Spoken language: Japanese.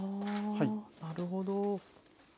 なるほど。